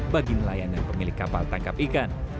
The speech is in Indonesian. bagi nelayan dan pemilik kapal tangkap ikan